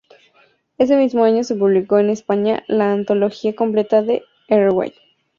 Ese mismo año se publicó en España la antología completa de Erreway.